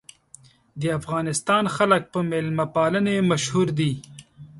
د افغانستان خلک په میلمه پالنې مشهور دي.